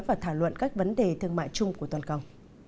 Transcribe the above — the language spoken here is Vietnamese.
và thảo luận các vấn đề thương mại chung của toàn cầu